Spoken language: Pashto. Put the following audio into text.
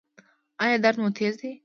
ایا درد مو تېز دی؟